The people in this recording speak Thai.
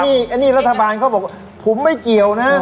นี่อันนี้รัฐบาลเขาบอกว่าผมไม่เกี่ยวนะ